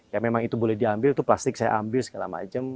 ya memang itu boleh diambil itu plastik saya ambil segala macam